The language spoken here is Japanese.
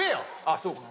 あっそうか。